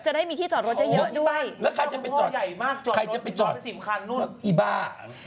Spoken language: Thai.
จะได้มีที่จอดรถได้เยอะด้วยแล้วใครจะไปจอดใครจะไปจอดไอ้บ้า